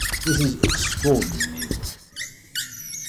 This is extraordinary music.